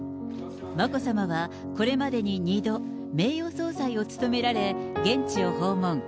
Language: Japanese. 眞子さまはこれまでに２度、名誉総裁を務められ、現地を訪問。